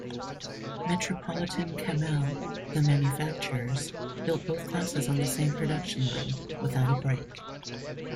Metropolitan-Cammell, the manufacturers, built both classes on the same production line, without a break.